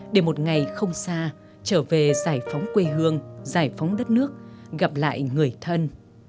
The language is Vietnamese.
để một ngày không xa trở về giải phóng quê hương giải phóng đất nước gặp lại người thân